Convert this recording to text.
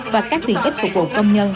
và các tiền ít phục vụ công nhân